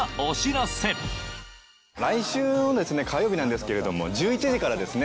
来週火曜日なんですけれども１１時からですね